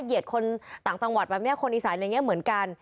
เหยียดคนต่างจังหวัดแบบนี้คนอีสานอะไรอย่างนี้เหมือนกัน